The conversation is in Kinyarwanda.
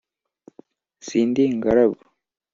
Sindi ingaragu.